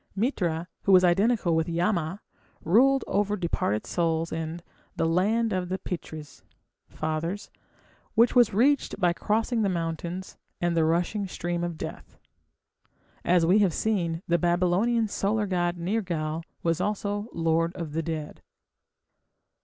Mitra, who was identical with Yama, ruled over departed souls in the "Land of the Pitris" (Fathers), which was reached by crossing the mountains and the rushing stream of death. As we have seen, the Babylonian solar god Nergal was also the lord of the dead.